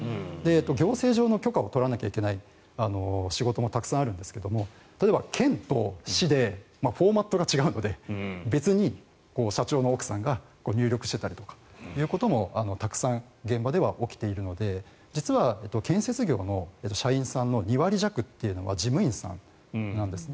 行政上の許可を取らなきゃいけない仕事もたくさんあるんですが例えば、県と市でフォーマットが違うので別に社長の奥さんが入力していたりとかということもたくさん現場では起きているので実は建設業の社員さんの２割弱っていうのは事務員さんなんですね。